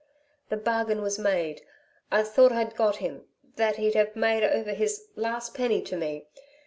The bargain was made I thought I'd got him that he'd 've made over his last penny to me.